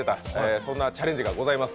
そんなチャレンジがございます。